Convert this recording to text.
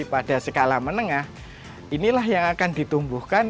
pada skala menengah inilah yang akan ditumbuhkan